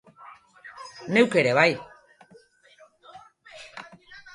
Neuk ere bai.